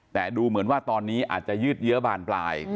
แต่ดูเหมือนว่าตอนนี้อาจจะยืดเยอะบานปลาย